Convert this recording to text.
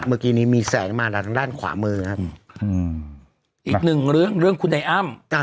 เมื่อกี้นี้มีแสงมาจากทางด้านขวามือครับอืมอีกหนึ่งเรื่องเรื่องคุณไอ้อ้ำ